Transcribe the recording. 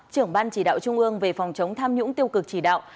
trưởng ban chỉ đạo trung ương về phòng chống tham nhũng tiêu cực chỉ đạo